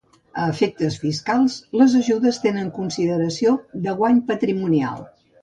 A efectes fiscals, les ajudes tenen consideració de guany patrimonial.